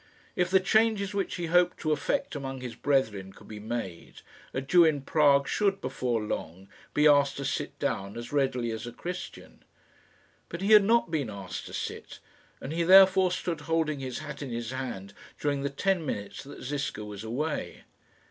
If the changes which he hoped to effect among his brethren could be made, a Jew in Prague should, before long, be asked to sit down as readily as a Christian. But he had not been asked to sit, and he therefore stood holding his hat in his hand during the ten minutes that Ziska was away.